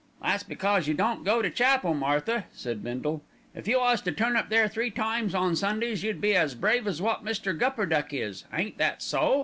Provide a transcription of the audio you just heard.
"That's because you don't go to chapel, Martha," said Bindle. "If you was to turn up there three times on Sundays you'd be as brave as wot Mr. Gupperduck is. Ain't that so?"